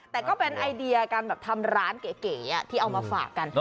แต่ก็เป็นไอเดียการแบบทำร้านเก๋ที่เอามาฝากกัน